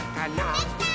できたー！